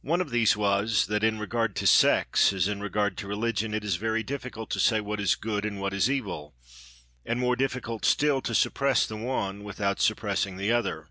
One of these was that, in regard to sex as in regard to religion, it is very difficult to say what is good and what is evil, and more difficult still to suppress the one without suppressing the other.